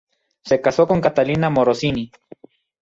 Se casó con Catalina Morosini.